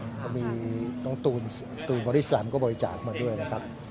ใช่อ่าเอามีน้องตูนตูนบอริสแสล่มก็บริจาคมาด้วยแหละครับ